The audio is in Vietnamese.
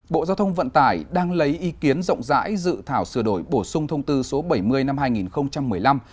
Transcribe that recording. bộ giao thông vận tải đang lấy ý kiến rộng rãi dự thảo sửa đổi bổ sung thông tư số bảy mươi năm hai nghìn một mươi năm